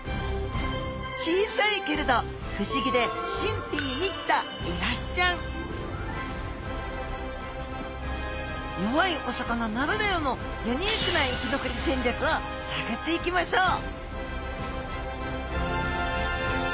小さいけれど不思議で神秘に満ちたイワシちゃん弱いお魚ならではのユニークな生き残り戦略をさぐっていきましょう！